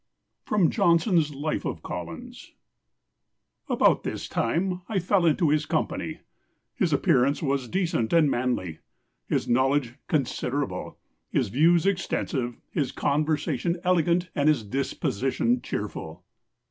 [Sidenote: Johnson's Life of Collins.] "About this time I fell into his company. His appearance was decent and manly; his knowledge considerable, his views extensive, his conversation elegant, and his disposition cheerful."